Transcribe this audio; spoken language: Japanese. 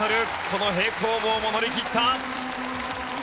この平行棒も乗り切った。